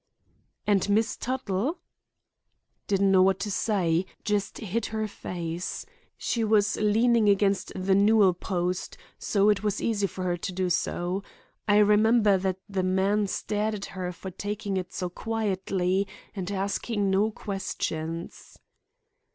"And Miss Tuttle?" "Didn't know what to say; just hid her face. She was leaning against the newel post, so it was easy for her to do so. I remember that the man stared at her for taking it so quietly and asking no questions."